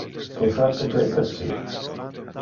Que face Peter ci?